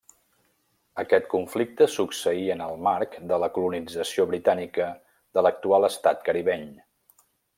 Aquest conflicte succeí en el marc de la colonització britànica de l'actual estat caribeny.